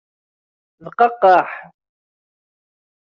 D qaqqaḥ!